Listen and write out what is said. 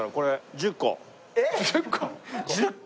１０個！？